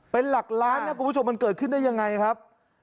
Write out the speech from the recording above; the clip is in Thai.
เป็นหลักล้านนะคุณผู้ชมมันเกิดขึ้นได้ยังไงครับ